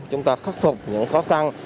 chúng ta khắc phục những khó khăn